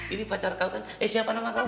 ini pacar kamu kan eh siapa nama kamu